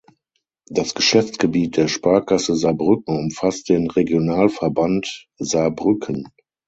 Das Geschäftsgebiet der Sparkasse Saarbrücken umfasst den Regionalverband Saarbrücken.